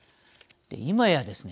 今やですね